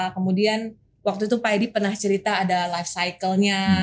kemudian waktu itu pak edi pernah cerita ada life cycle nya